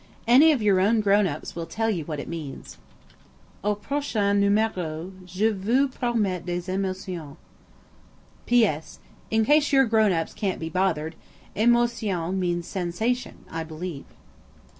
Any of your own grown ups will tell you what it means. Au prochain numéro je vous promets des emotions. P.S.–In case your grown ups can't be bothered, "émotions" means sensation, I believe.